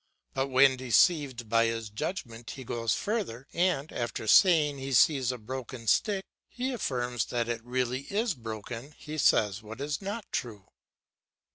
But when deceived by his judgment he goes further and, after saying he sees a broken stick, he affirms that it really is broken he says what is not true.